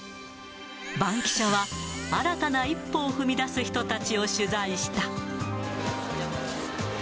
バンキシャは、新たな一歩を踏み出す人たちを取材した。